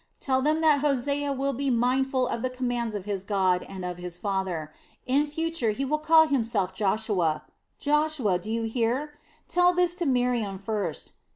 Tell them that Hosea will be mindful of the commands of his God and of his father. In future he will call himself Joshua Joshua, do you hear? Tell this to Miriam first.